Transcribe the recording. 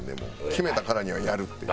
決めたからにはやるっていう。